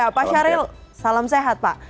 ya pak syahril salam sehat pak